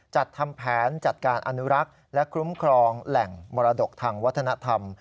จัดทำแผนจัดการอนุรักษ์และคุ้มครองแหล่งมรดกทางวัฒนธรรม